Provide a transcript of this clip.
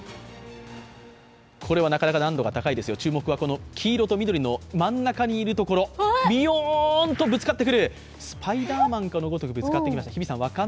これはなかなか難度が高いですよ、注目は黄色と緑の真ん中にいるところびよーんとぶつかってくるスパイダーマンのごとくぶつかってきました。